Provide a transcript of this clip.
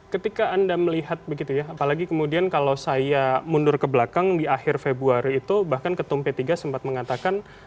ketika anda melihat begitu ya apalagi kemudian kalau saya mundur ke belakang di akhir februari itu bahkan ketum p tiga sempat mengatakan